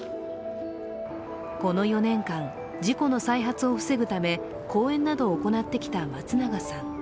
この４年間、事故の再発を防ぐため、講演などを行ってきた松永さん。